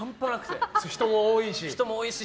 人も多いし。